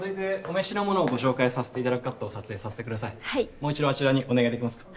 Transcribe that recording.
もう一度あちらにお願いできますか？